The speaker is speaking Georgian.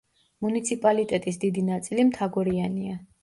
მუნიციპალიტეტის დიდი ნაწილი მთაგორიანია.